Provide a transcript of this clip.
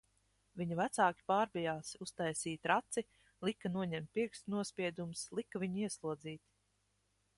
Viņa vecāki pārbijās, uztaisīja traci, lika noņemt pirkstu nospiedumus, lika viņu ieslodzīt...